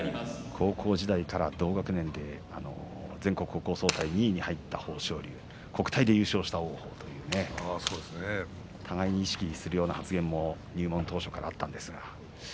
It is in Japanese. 高校時代から同学年で全国高校総体で２位に入った豊昇龍、国体で優勝した王鵬互いに意識するような発言も入門当時からありました。